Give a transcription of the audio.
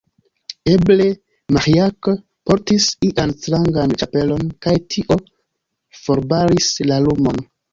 Eble, Maĥiac portis ian strangan ĉapelon, kaj tio forbaris la lumon.